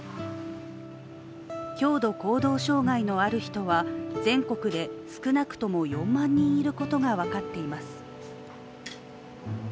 強度行動障害のある人は、全国で少なくとも４万人いることが分かっています。